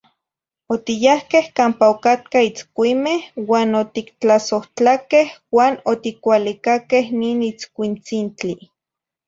Otiyahqueh campa ocatca itzcuimeh uan otictlasohtlaque uan oticualicaque nin itzcuintzintli.